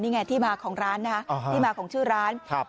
นี่ไงที่มาของร้านนะฮะที่มาของชื่อร้านครับ